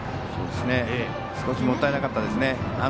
少しもったいなかったですね。